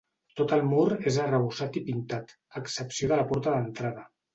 Tot el mur és arrebossat i pintat, a excepció de la porta d'entrada.